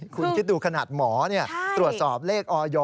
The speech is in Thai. คุณคิดดูขนาดหมอตรวจสอบเลขออย